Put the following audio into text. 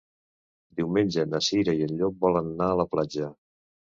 Diumenge na Cira i en Llop volen anar a la platja.